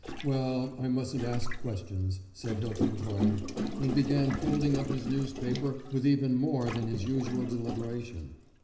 "Well, I mustn't ask questions," said Hilton Toye, and began folding up his newspaper with even more than his usual deliberation.